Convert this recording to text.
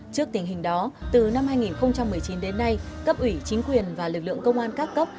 trước tình hình đó từ năm hai nghìn một mươi chín đến nay cấp ủy chính quyền và lực lượng công an các cấp